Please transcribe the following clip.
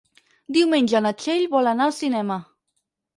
Diumenge na Txell vol anar al cinema.